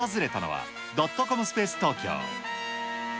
訪れたのは、ドットコム・スペース・トーキョー。